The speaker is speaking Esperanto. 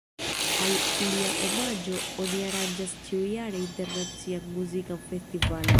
Al lia omaĝo oni aranĝas ĉiujare internacian muzikan festivalon.